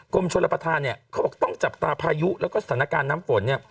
กรมชนรับประทานเนี่ยเขาบอกต้องจับตาพายุแล้วก็สถานการณ์น้ำฝนเนี่ย